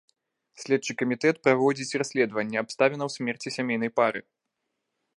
Следчы камітэт праводзіць расследаванне абставінаў смерці сямейнай пары.